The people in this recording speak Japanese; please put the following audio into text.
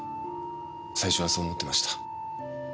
最初はそう思ってました。